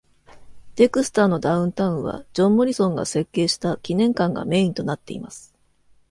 デクスターのダウンタウンは、ジョン・モリソンが設計した記念館がメインとなっています。